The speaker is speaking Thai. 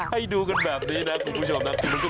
หนูไม่อยากออกแล้วค่ะ